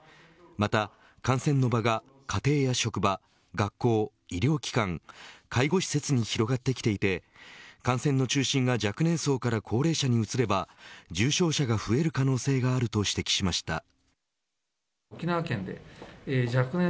また、感染の場が家庭や職場学校、医療機関介護施設に広がってきていて感染の中心が若年層から高齢者に移れば重症者が増える可能性があると指摘しました。